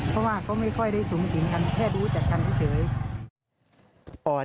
เพราะว่าก็ไม่ค่อยได้สูงกลิ่นกันแค่ดูจากกันเท่าไหร่